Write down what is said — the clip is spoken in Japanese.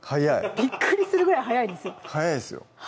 びっくりするぐらい早いですよ早いですよ